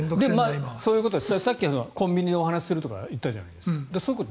さっきコンビニでお話しするとか言ったじゃないですか。